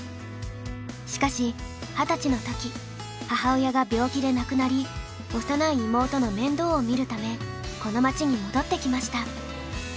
しかし二十歳の時母親が病気で亡くなり幼い妹の面倒を見るためこの町に戻ってきました。